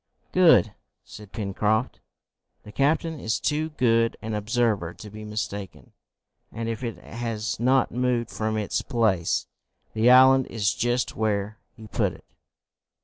"Good!" said Pencroft. "The captain is too good an observer to be mistaken, and, if it has not moved from its place, the island is just where he put it."